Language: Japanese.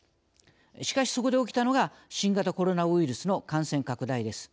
しかしそこで起きたのが新型コロナウイルスの感染拡大です。